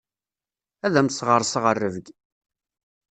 Ad am-sɣerseɣ rrebg.